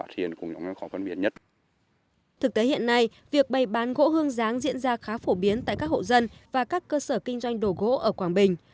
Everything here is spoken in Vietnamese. thực tế hiện nay việc bày bán gỗ hương giáng diễn ra khá phổ biến tại các hộ dân và các cơ sở kinh doanh đồ gỗ ở quảng bình